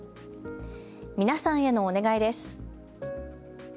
皆さんへのお願いです。